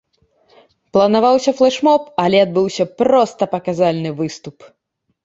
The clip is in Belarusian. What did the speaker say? Планаваўся флэш-моб, але адбыўся проста паказальны выступ.